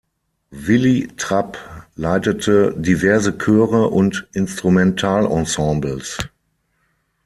Willy Trapp leitete diverse Chöre und Instrumentalensembles.